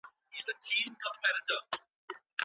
کله د انسان په ژوند کي د نېکمرغۍ اړتیا ډېره احساسېږي؟